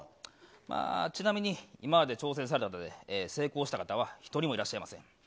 まあ、ちなみに今まで挑戦された中で、成功した方は一人もいらっしゃいえ？